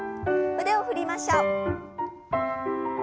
腕を振りましょう。